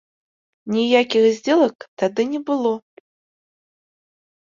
Ніякіх здзелак тады не было!